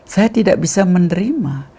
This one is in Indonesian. saya tidak bisa menerima